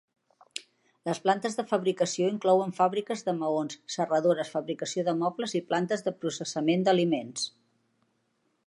Les plantes de fabricació inclouen fàbriques de maons, serradores, fabricació de mobles i plantes de processament d'aliments.